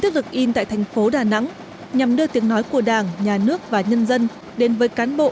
tiếp tục in tại thành phố đà nẵng nhằm đưa tiếng nói của đảng nhà nước và nhân dân đến với cán bộ